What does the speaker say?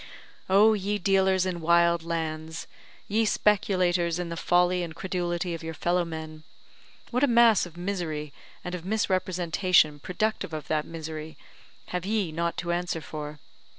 Oh, ye dealers in wild lands ye speculators in the folly and credulity of your fellow men what a mass of misery, and of misrepresentation productive of that misery, have ye not to answer for!